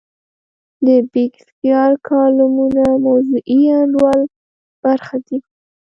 د بېکسیار کالمونه موضوعي انډول برخه دي.